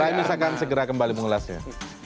rai misalkan segera kembali mengulas ya